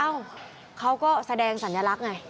เขาก็แสดงสัญลักษณ์ไง